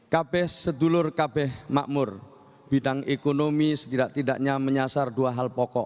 kb sedulur kb makmur bidang ekonomi setidak tidaknya menyasar dua hal pokok